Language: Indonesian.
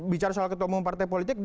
bicara soal ketua umum partai politik